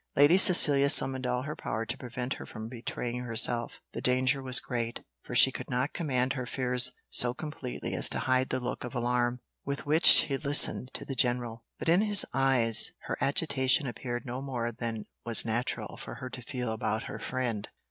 Lady Cecilia summoned all her power to prevent her from betraying herself: the danger was great, for she could not command her fears so completely as to hide the look of alarm with which she listened to the general; but in his eyes her agitation appeared no more than was natural for her to feel about her friend.